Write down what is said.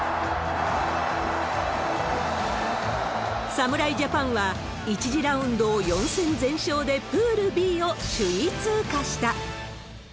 侍ジャパンは、１次ラウンドを４戦全勝でプールＢを首位通過した。